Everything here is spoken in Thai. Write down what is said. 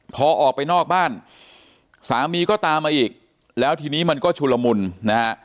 พอออกไปนอกบ้านสามีก็ตามมาอีกแล้วทีนี้มันก็ชุลมุนนะฮะ